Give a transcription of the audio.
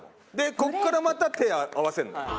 ここからまた手を合わせるの。